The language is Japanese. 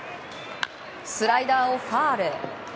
スライダーをファウル。